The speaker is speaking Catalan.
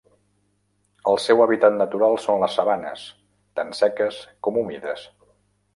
El seu hàbitat natural són les sabanes, tant seques com humides.